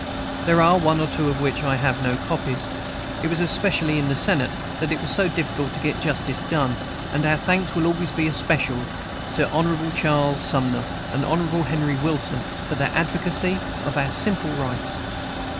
There are one or two of which I have no copies. It was especially in the Senate that it was so difficult to get justice done; and our thanks will always be especially due to Hon. Charles Sumner and Hon. Henry Wilson for their advocacy of our simple rights.